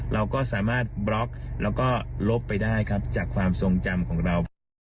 เราก็สามารถบล็อกแล้วก็ลบไปได้ครับจากความทรงจำของเราครับ